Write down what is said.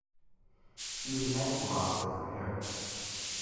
He was medical officer for Harrow.